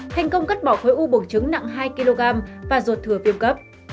thành công cắt bỏ khối u bổng trứng nặng hai kg và ruột thừa phiêm cấp